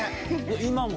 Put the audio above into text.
今も。